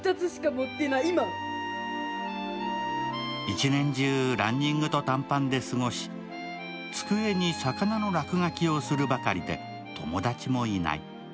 一年中ランニングと短パンで過ごし机に魚の落書きをするばかりで友達もいない。